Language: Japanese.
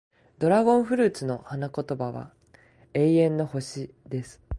ドラゴンフルーツの花言葉は、永遠の星、です。